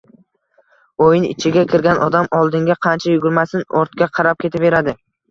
Oʻyin ichiga kirgan odam oldinga qancha yugurmasin, ortga qarab ketaveradi